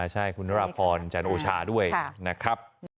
ใช่คุณนราพรจันโอชาด้วยนะครับ